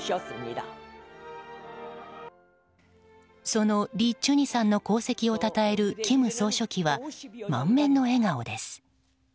そのリ・チュニさんの功績を称える金総書記は満面の笑顔です。